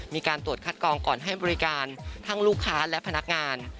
มีการตรวจคัดกองก่อนให้บริการทั้งลูกค้าและพนักงาน